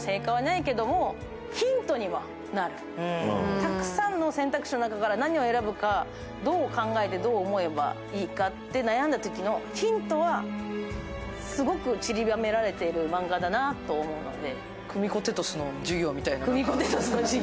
たくさんの選択肢の中から何を選ぶか、どう考えてどう思えばいいかと悩んだときのヒントはすごく散りばめられているマンガだなと思うので。